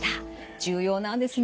重要なんですね。